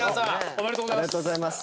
おめでとうございます。